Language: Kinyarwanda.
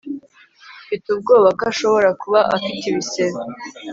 mfite ubwoba ko ashobora kuba afite ibisebe